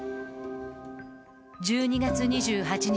１２月２８日